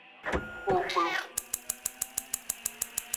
Goglo.